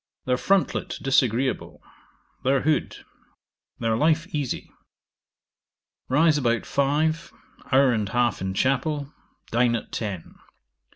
Their frontlet disagreeable. Their hood. Their life easy. Rise about five; hour and half in chapel. Dine at ten.